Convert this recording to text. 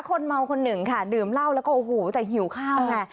คนเมาคนหนึ่งดื่มเหล้าแล้วแต่หิวข้าวค่ะ